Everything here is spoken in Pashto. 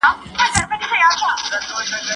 د خواست کړي آس غاښ مه گوره.